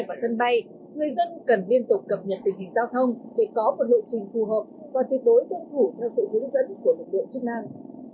và sân bay người dân cần liên tục cập nhật tình hình giao thông để có một lộ trình phù hợp và tuyệt đối tuân thủ theo sự hướng dẫn của lực lượng chức năng